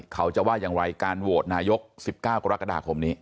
เขาจะว่าอย่างไรการโหวตนายก๑๙กรกฎาคมนี้